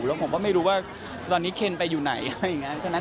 แล้วผมก็ไม่รู้ว่าตอนนี้เคนไปอยู่ไหนอะไรอย่างนั้น